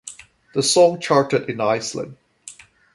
The song charted in Iceland.